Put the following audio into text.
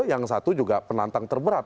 yang satu juga penantang terberat